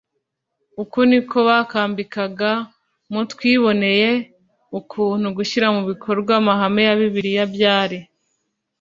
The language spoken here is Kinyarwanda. uko ni ko bakambikaga mutwiboneye ukuntu gushyira mu bikorwa amahame ya bibiliya byari